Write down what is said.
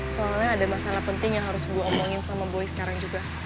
soalnya ada masalah penting yang harus gue omongin sama boy sekarang juga